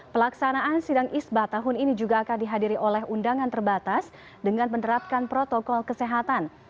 pelaksanaan sidang isbat tahun ini juga akan dihadiri oleh undangan terbatas dengan menerapkan protokol kesehatan